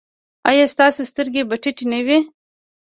ایا ستاسو سترګې به ټیټې نه وي؟